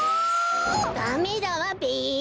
ダメだわべ。